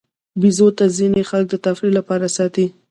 بیزو ته ځینې خلک د تفریح لپاره ساتي.